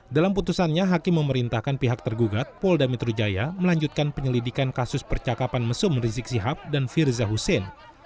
dalam putusannya hakim memerintahkan pihak tergugat polda metro jaya melanjutkan penyelidikan kasus percakapan mesum rizik sihab dan firza hussein